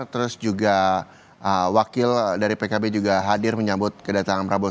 terus juga wakil dari pkb juga hadir menyambut kedatangan prabowo